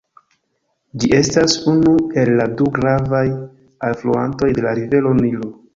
Ĝi estas unu el la du gravaj alfluantoj de la Rivero Nilo.